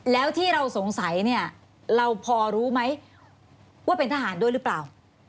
แล้วที่เราสงสัยเนี่ยเราพอรู้ไหมว่าเป็นทหารด้วยหรือเปล่า